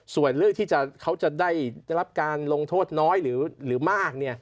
ส่วนเรื่องที่เขาจะได้รับการลงโทษน้อยหรือมาก